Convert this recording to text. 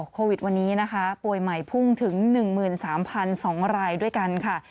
ตอนนี้นะคะป่วยใหม่พุ่งถึง๑๓๐๐๒รายด้วยกันค่ะ